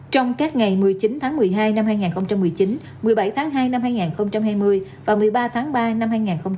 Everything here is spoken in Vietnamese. trong các ngày một mươi chín tháng một mươi hai năm hai nghìn một mươi chín một mươi bảy tháng hai năm hai nghìn hai mươi và một mươi ba tháng ba năm hai nghìn hai mươi